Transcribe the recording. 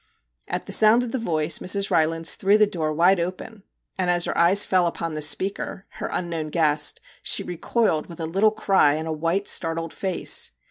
At the sound of the voice Mrs. Rylands threw the door wide open, and as her eyes fell upon the speaker her unknown guest she recoiled with a little cry and a white startled face.